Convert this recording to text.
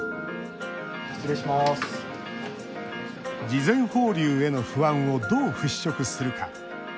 事前放流への不安をどう、ふっしょくするか。